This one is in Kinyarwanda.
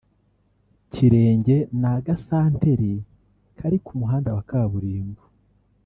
Kirenge ni agasanteri kari ku muhanda wa Kaburimbo